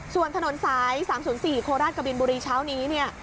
ส่วนถนนสาย๓๐๔โคลราศกบินบุรีเช้านี้